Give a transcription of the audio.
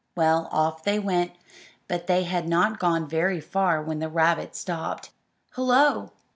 Well, off they went; but they had not gone very far when the rabbit stopped. "Hullo!"